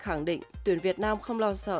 khẳng định tuyển việt nam không lo sợ